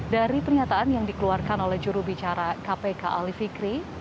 dari pernyataan yang dikeluarkan oleh jurubicara kpk ali fikri